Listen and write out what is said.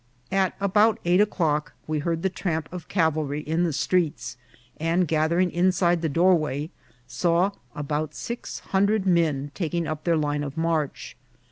At about eight o'clock we heard the tramp of cavalry in the streets, and gathering inside the doorway, saw about six hundred men taking up their line of march.